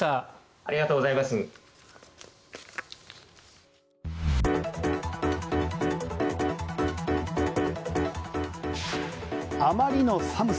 ありがとうございます。